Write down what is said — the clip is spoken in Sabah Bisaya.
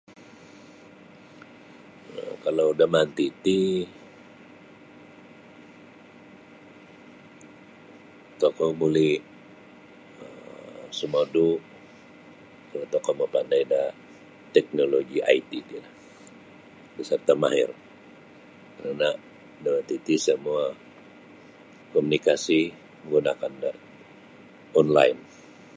um kalau damanti ti tokou buli um sumodu' kalau tokou mapandai da teknoloji IT ti lah beserta mahir karana' damanti ti semua komunikasi menggunakan da online.